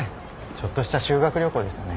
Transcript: ちょっとした修学旅行ですね。